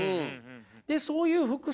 でそういうはあ。